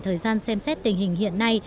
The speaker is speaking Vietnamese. thời gian xem xét tình hình hiện nay